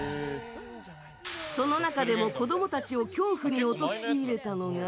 その中でも子供たちを恐怖に陥れたのが。